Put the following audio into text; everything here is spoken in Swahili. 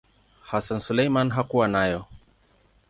Hassan Suleiman hakuwa nayo.